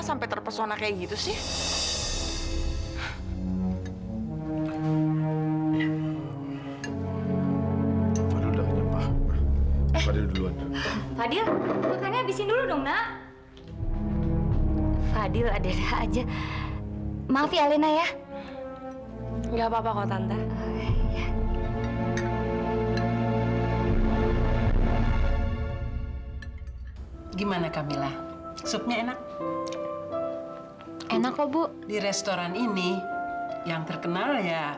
sampai jumpa di video selanjutnya